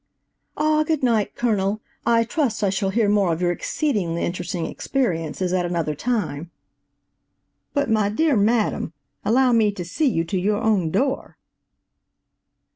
"Ah, good night, Colonel, I trust I shall hear more of your exceedingly interesting experiences at another time." "But, my dear madam, allow me to see you to your own door."